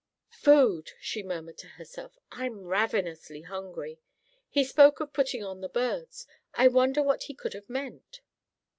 "Food," she murmured to herself, "I'm ravenously hungry. He spoke of putting on the birds. I wonder what he could have meant?"